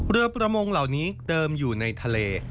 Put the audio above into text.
เรือประมงเหล่านี้เดิมอยู่ในทะเล